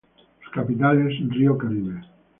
Su capital es Río Caribe.